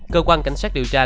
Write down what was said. cơ quan cảnh sát điều tra